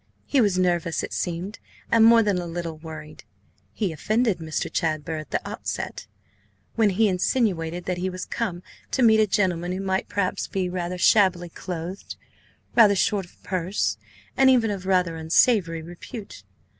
He was nervous, it seemed, and more than a little worried. He offended Mr. Chadber at the outset, when he insinuated that he was come to meet a gentleman who might perhaps be rather shabbily clothed, rather short of purse, and even of rather unsavoury repute.